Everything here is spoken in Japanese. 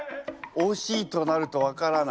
惜しいとなると分からない。